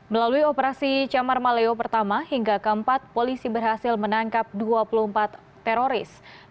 melalui operasi camar maleo pertama hingga keempat polisi berhasil menangkap dua puluh empat teroris